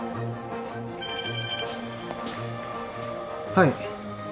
はい。